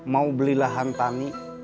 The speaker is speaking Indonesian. mau beli lahan tani